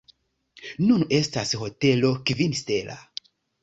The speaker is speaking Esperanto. Nun estas Hotelo kvin stela.